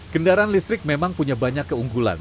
kendaraan listrik memang punya banyak keunggulan